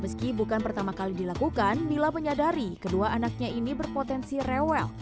meski bukan pertama kali dilakukan mila menyadari kedua anaknya ini berpotensi rewel